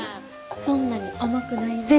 そんなに甘くないぜ。